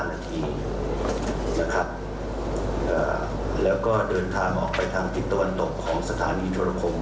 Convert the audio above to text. นะครับอ่าแล้วก็เดินทางออกไปทางที่ตะวันตกของสถานีธุรกรม